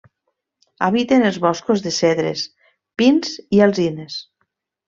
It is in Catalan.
Habiten els boscos de cedres, pins i alzines.